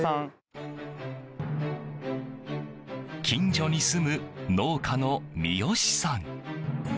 近所に住む農家の三好さん。